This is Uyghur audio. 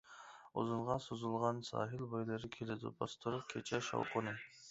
ئۇزۇنغا سوزۇلغان ساھىل بويلىرى، كېلىدۇ باستۇرۇپ كېچە شاۋقۇنى.